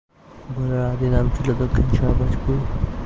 ভোলার আদি নাম ছিল দক্ষিণ শাহবাজপুর।